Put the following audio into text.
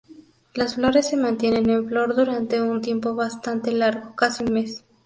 Las flores se mantienen en flor durante un tiempo bastante largo, casi un mes.